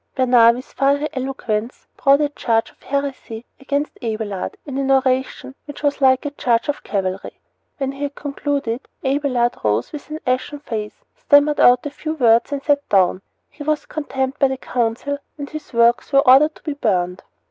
Bernard, with fiery eloquence, brought a charge of heresy against Abelard in an oration which was like a charge of cavalry. When he had concluded Abelard rose with an ashen face, stammered out a few words, and sat down. He was condemned by the council, and his works were ordered to be burned.